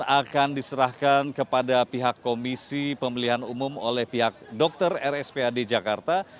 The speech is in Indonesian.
akan diserahkan kepada pihak komisi pemilihan umum oleh pihak dokter rspad jakarta